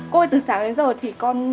cô ơi từ sáng đến giờ thì con